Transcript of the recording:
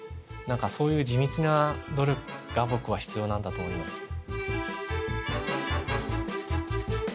何かそういう地道な努力が僕は必要なんだと思います。